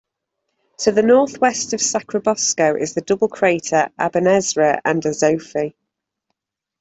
To the northwest of Sacrobosco is the double crater Abenezra and Azophi.